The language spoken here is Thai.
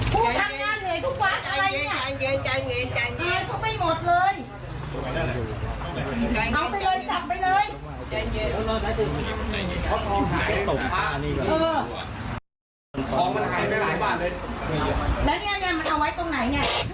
เมียมียาเสพติดด้วยเนี่ย